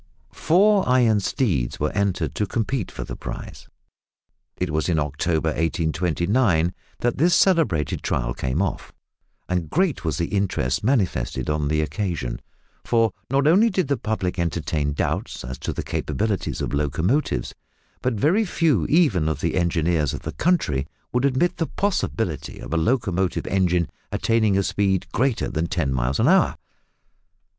Four iron steeds were entered to compete for the prize. It was in October 1829 that this celebrated trial came off, and great was the interest manifested on the occasion, for not only did the public entertain doubts as to the capabilities of locomotives, but very few even of the engineers of the country would admit the possibility of a locomotive engine attaining a speed greater than ten miles an hour!